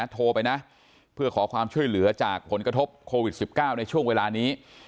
โทรไปนะเพื่อขอความช่วยเหลือจากผลกระทบโควิด๑๙ในช่วงเวลานี้